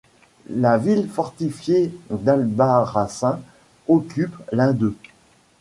La ville fortifiée d'Albarracin occupe l'un d'eux.